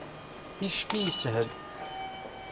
Ticki i yeḥsel.